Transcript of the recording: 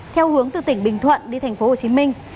theo hướng từ tỉnh bình thuận đi thành phố hồ chí minh